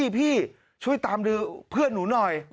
พี่ช่วยตามดูเพื่อนหนูหน่อย